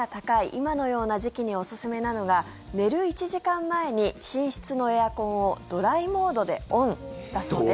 今のような時期におすすめなのが寝る１時間前に寝室のエアコンをドライモードでオンだそうです。